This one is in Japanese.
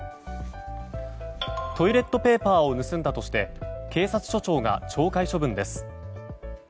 トイレットペーパーを盗んだとして警察署長が懲戒処分です。